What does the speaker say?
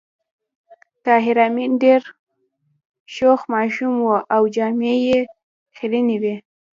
طاهر آمین ډېر شوخ ماشوم و او جامې یې خيرنې وې